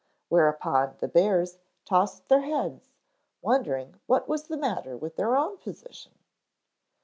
Whereupon the bears tossed their heads, wondering what was the matter with their own position.